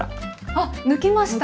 あっ抜けましたね